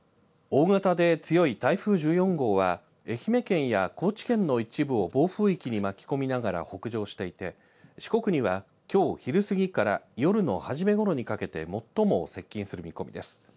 大型で強い台風１４号は愛媛県や高知県の一部を暴風域に巻き込みながら北上していて四国にはきょう昼過ぎから夜の初めごろにかけて最も接近する見込みです。